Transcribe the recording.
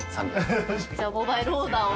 じゃあモバイルオーダーを。